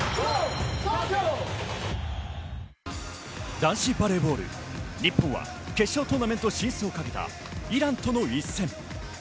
男子バレーボール、日本は決勝トーナメント進出をかけたイランとの一戦。